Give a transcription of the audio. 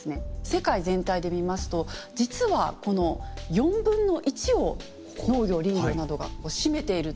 世界全体で見ますと実はこの４分の１を農業・林業などが占めている。